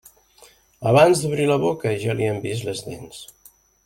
Abans d'obrir la boca, ja li han vist les dents.